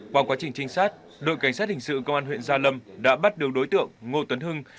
qua quá trình trinh sát đội cảnh sát hình sự công an huyện gia lâm đã bắt được đối tượng ngô tuấn hưng